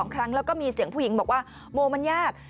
๒ครั้งแล้วก็มีเสียงผู้หญิงบอกว่าโมมันยาก